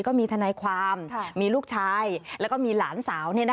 ก็มีทนายความมีลูกชายแล้วก็มีหลานสาว